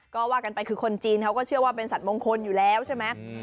ก็ว่ากันไปคือคนจีนเขาก็เชื่อว่าเป็นสัตว์มงคลอยู่แล้วใช่ไหม